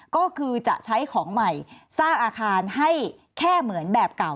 ก็คือจะใช้ของใหม่สร้างอาคารให้แค่เหมือนแบบเก่า